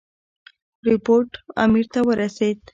رپوټ امیر ته ورسېد.